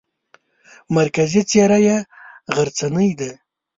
مرکزي څېره یې غرڅنۍ ده.